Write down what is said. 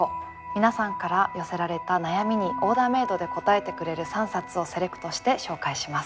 皆さんから寄せられた悩みにオーダーメードで答えてくれる３冊をセレクトして紹介します。